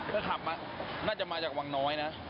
ก็ขับมาน่าจะมาจากวังน้อยนะ